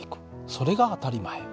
それが当たり前。